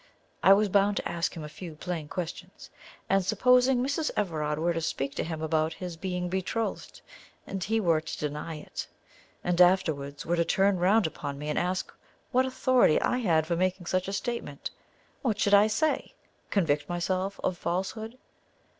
I was bound to ask him a few plain questions. And, supposing Mrs. Everard were to speak to him about his being betrothed, and he were to deny it, and afterwards were to turn round upon me and ask what authority I had for making such a statement, what should I say? Convict myself of falsehood?